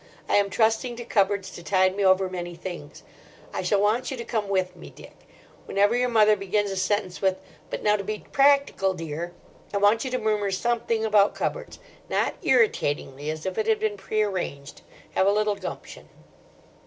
I am trusting to cupboards to tide me over many things. I shall want you to come with me, Dick. Whenever your mother begins a sentence with: 'But now to be practical, dear,' I want you to murmur something about cupboards—not irritatingly as if it had been prearranged: have a little gumption."